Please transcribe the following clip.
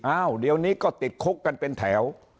อ้าวเดี๋ยวนี้ก็ติดคุกกันเป็นแถว